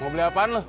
mau beli apaan lo